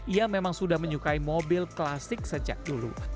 ia memang sudah menyukai mobil klasik sejak dulu